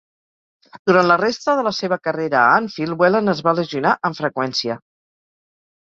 Durant la resta de la seva carrera a Anfield, Whelan es va lesionar amb freqüència.